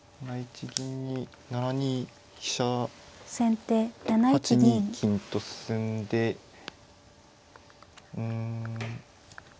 ７一銀に７二飛車８二金と進んでうん。